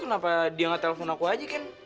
kenapa dia nggak telepon aku aja kan